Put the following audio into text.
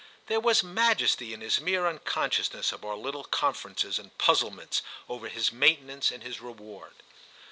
There was majesty in his mere unconsciousness of our little conferences and puzzlements over his maintenance and his reward.